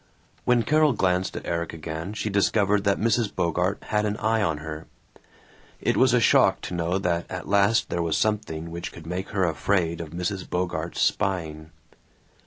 When Carol glanced at Erik again she discovered that Mrs. Bogart had an eye on her. It was a shock to know that at last there was something which could make her afraid of Mrs. Bogart's spying.